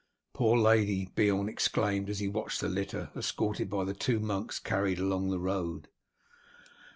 "Poor lady!" Beorn exclaimed as he watched the litter, escorted by the two monks, carried along the road.